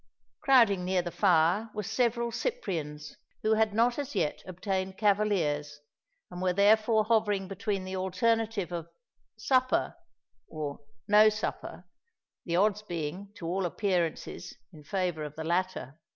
Crowding near the fire were several Cyprians, who had not as yet obtained cavaliers, and were therefore hovering between the alternatives of "supper" or "no supper," the odds being, to all appearances, in favour of the latter.